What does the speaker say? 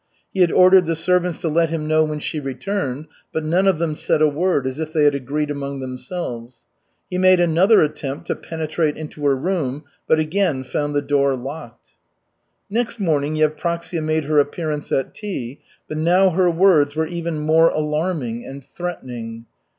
He had ordered the servants to let him know when she returned, but none of them said a word, as if they had agreed among themselves. He made another attempt to penetrate into her room, but again found the door locked. Next morning Yevpraksia made her appearance at tea, but now her words were even more alarming and threatening.